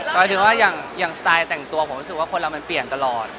หมายถึงว่าอย่างสไตล์แต่งตัวผมรู้สึกว่าคนเรามันเปลี่ยนตลอด